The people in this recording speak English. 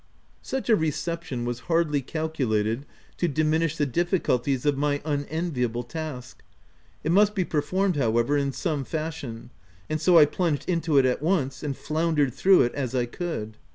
Such a reception was hardly calculated to diminish the difficulties of my unenviable task. It must be performed, however, in some fashion : and so I plunged into it at once, and floundered through it as I could.